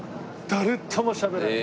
誰ともしゃべらない。